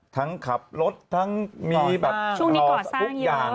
ทั้งขับรถทั้งมีก่อสร้างช่วงนี้ก่อสร้างเยอะ